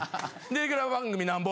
「レギュラー番組何本？」